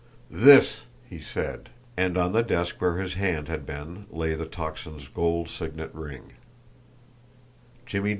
"THIS!" he said, and on the desk where his hand had been lay the Tocsin's gold signet ring.